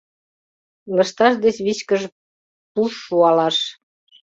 Лышташ деч вичкыж пуш шуалаш